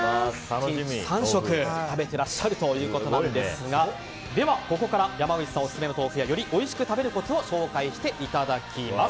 １日３食食べていらっしゃるということですがでは、ここから山口さんのオススメの豆腐やよりおいしく食べるコツを紹介していただきます。